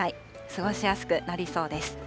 過ごしやすくなりそうです。